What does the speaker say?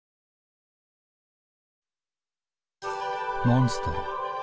モンストロ。